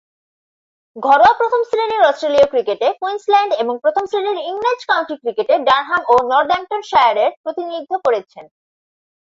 ঘরোয়া প্রথম-শ্রেণীর অস্ট্রেলীয় ক্রিকেটে কুইন্সল্যান্ড এবং প্রথম-শ্রেণীর ইংরেজ কাউন্টি ক্রিকেটে ডারহাম ও নর্দাম্পটনশায়ারের প্রতিনিধিত্ব করেছেন।